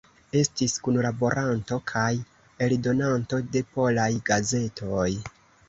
Estis kunlaboranto kaj eldonanto de polaj gazetoj.